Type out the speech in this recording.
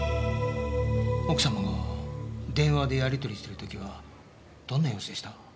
奥様が電話でやり取りしている時はどんな様子でした？